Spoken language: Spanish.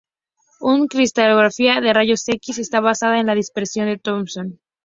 La cristalografía de rayos X está basada en la dispersión de Thomson.